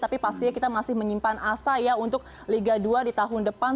tapi pastinya kita masih menyimpan asa ya untuk liga dua di tahun depan